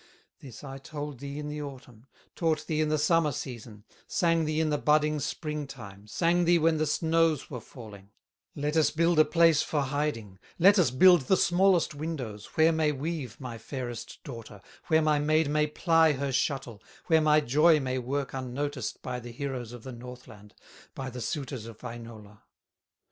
"This I told thee in the autumn, Taught thee in the summer season, Sang thee in the budding spring time, Sang thee when the snows were falling: 'Let us build a place for hiding, Let us build the smallest windows, Where may weave my fairest daughter, Where my maid may ply her shuttle, Where my joy may work unnoticed By the heroes of the Northland, By the suitors of Wainola.